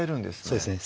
そうですね